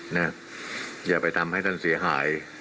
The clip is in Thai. อย่าไปทำให้ท่านเสียหาย